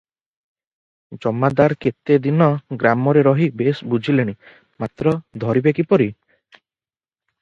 ଜମାଦାର କେତେଦିନ ଗ୍ରାମରେ ରହି ବେଶ୍ ବୁଝିଲେଣି; ମାତ୍ର ଧରିବେ କିପରି?